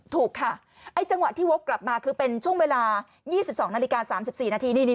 ถูกค่ะไอ้จังหวะที่วกกลับมาคือเป็นช่วงเวลา๒๒นาฬิกา๓๔นาที